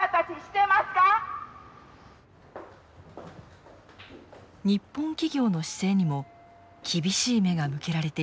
日本企業の姿勢にも厳しい目が向けられています。